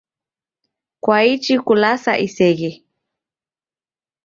Kwaichi kulasa iseghe?